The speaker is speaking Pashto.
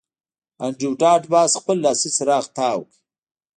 انډریو ډاټ باس خپل لاسي څراغ تاو کړ